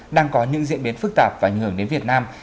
đang có những diễn biến phức tạp và ảnh hưởng đến việt nam